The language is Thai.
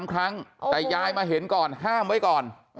๓ครั้งแต่ยายมาเห็นก่อนห้ามไว้ก่อน